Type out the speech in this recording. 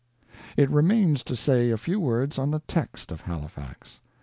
It remains to say a few words on the text of Halifax.